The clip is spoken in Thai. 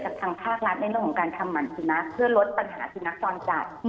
จากทางภาครัฐในเรื่องจนการทำหมันสิมนักเพื่อลดปัญหาสิมนักตอนจัด